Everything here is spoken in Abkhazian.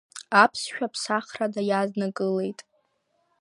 Аԥсшәа ԥсахрада иаднакылеит.